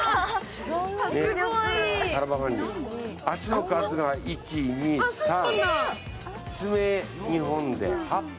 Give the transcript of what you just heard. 足の数が１、２、３、爪２本で８本。